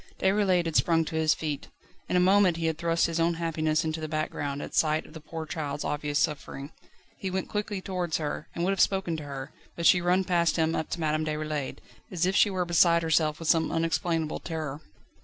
Déroulède had sprung to his feet. In a moment he had thrust his own happiness into the background at sight of the poor child's obvious suffering. He went quickly towards her, and would have spoken to her, but she ran past him up to Madame Déroulède, as if she were beside herself with some unexplainable terror.